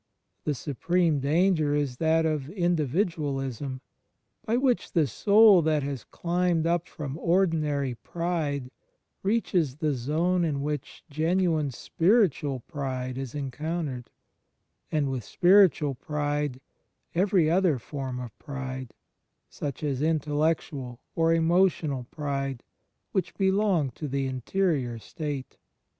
The supreme danger is that of Individualisnty by which the soul that has climbed up from ordinary pride reaches the zone in which genu ine spiritual pride is encountered, and, with spiritual pride, every other form of pride — such as intellectual or emotional pride — which belong to the interior state.